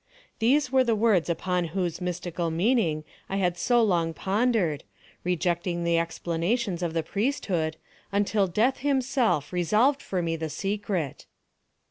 These were the words upon whose mystical meaning I had so long pondered, rejecting the explanations of the priesthood, until Death himself resolved for me the secret.